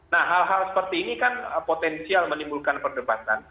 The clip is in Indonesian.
nah hal hal seperti ini kan potensial menimbulkan perdebatan